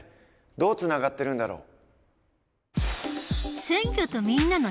どうつながってるんだろう？